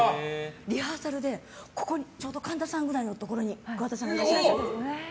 リハーサルで、ちょうど神田さんぐらいのところに桑田さんがいらっしゃって。